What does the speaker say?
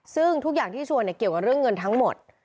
ซึ่งทุกอย่างที่ชวนเกี่ยวกับเรื่องเงินทั้งหมด